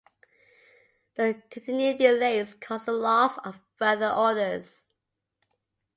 The continued delays caused the loss of further orders.